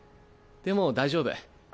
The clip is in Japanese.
でも大丈夫。